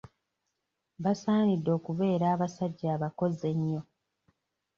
Basaanidde okubeera abasajja abakozi ennyo.